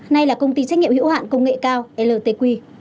nay là công ty trách nhiệm hữu hạn công nghệ cao ltq